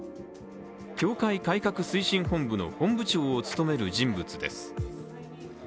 教会改革推進本部の本部長を務める人物です。